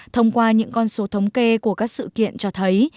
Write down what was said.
thông qua những con số thống kê của các sự kiện cho thấy